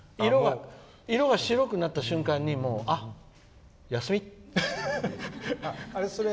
色が白くなった瞬間にあっ休みって。